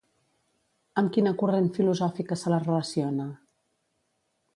Amb quina corrent filosòfica se la relaciona?